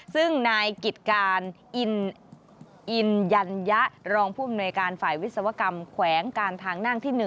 ซึ่งนายกิจการอินยันยะรองผู้อำนวยการฝ่ายวิศวกรรมแขวงการทางนั่งที่๑